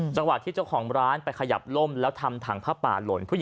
จังหวะที่เจ้าของร้านไปขยับล่มแล้วทำถังผ้าป่าหล่น